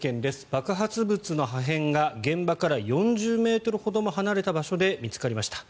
爆発物の破片が現場から４０ｍほども離れた場所で見つかりました。